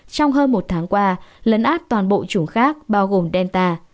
trong hơn một tháng qua lấn át toàn bộ chủng khác bao gồm delta